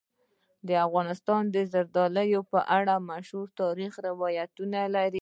افغانستان د زردالو په اړه مشهور تاریخی روایتونه لري.